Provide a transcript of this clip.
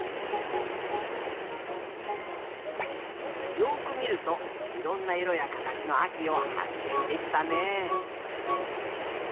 よくみるといろんないろやかたちのあきをはっけんできたね。